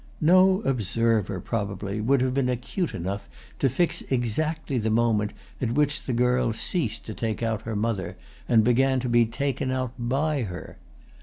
No observer, probably, would have been acute enough to fix exactly the moment at which the girl ceased to take out her mother and began to be taken out by her.